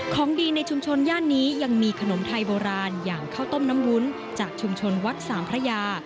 ของดีในชุมชนย่านนี้ยังมีขนมไทยโบราณอย่างข้าวต้มน้ำวุ้นจากชุมชนวัดสามพระยา